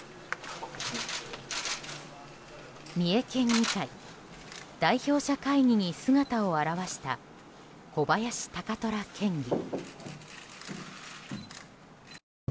三重県議会代表者会議に姿を現した小林貴虎県議。